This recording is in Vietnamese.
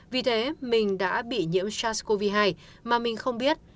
vì thế mình đã bị nhiễm sars cov hai mà mình không biết